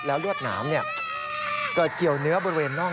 แล้วลวดหนามเกิดเกี่ยวเนื้อบริเวณน่อง